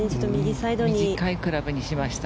短いクラブにしました。